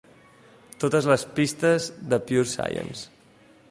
Totes les pistes de Pure Science.